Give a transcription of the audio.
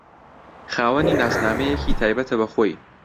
خاوەنی ناسنامەیەکی تایبەتە بە خۆی